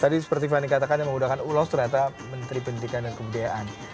tadi seperti fanny katakan yang menggunakan ulos ternyata menteri pendidikan dan kebudayaan